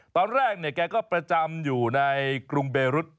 ตอนแรกเนี่ยแกก็ประจำอยู่ในกรุงเบรุษ